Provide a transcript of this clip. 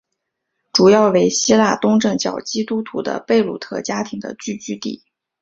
主要为希腊东正教基督徒的贝鲁特家庭的聚居地。